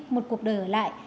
một cuộc đời ở lại